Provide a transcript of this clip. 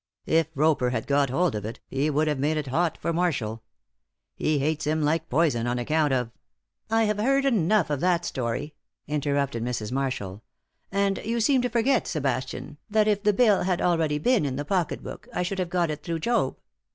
If Roper had got hold of it, he would have made it hot for Marshall. He hates him like poison on account of " "I have heard enough of that story," interrupted Mrs. Marshall, "and you seem to forget, Sebastian, that if the bill had really been in the pocket book I should have got it through Job.